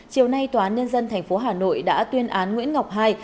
chiều nay tòa án nhân dân tp hà nội đã tuyên án nguyễn ngọc hai